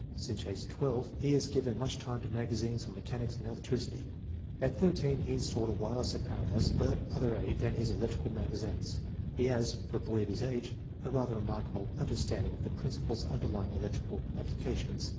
Since age 12 he has given much time to magazines on mechanics and electricity. At 13 he installed a wireless apparatus without other aid than his electrical magazines. He has, for a boy of his age, a rather remarkable un derstanding of the principles underlying electrical applications.